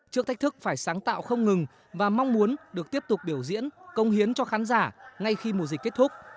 trước thách thức phải sáng tạo không ngừng và mong muốn được tiếp tục biểu diễn công hiến cho khán giả ngay khi mùa dịch kết thúc